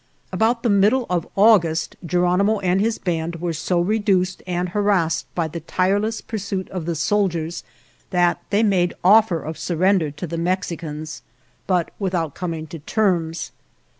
...•••:••" About the middle of August Geronimo and his band were so reduced and harassed by the tireless pursuit of the soldiers that they made offer of surrender to the Mexi cans, but without coming to terms.